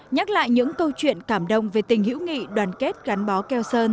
nhắc lại những câu chuyện cảm động về tình hữu nghị đoàn kết gắn bó keo sơn